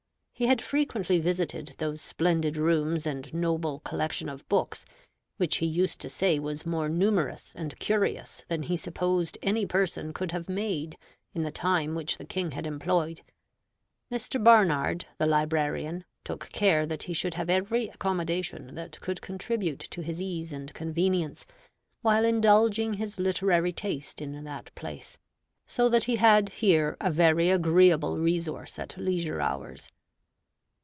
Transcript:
He had frequently visited those splendid rooms and noble collection of books, which he used to say was more numerous and curious than he supposed any person could have made in the time which the King had employed. Mr. Barnard, the librarian, took care that he should have every accommodation that could contribute to his ease and convenience, while indulging his literary taste in that place; so that he had here a very agreeable resource at leisure hours.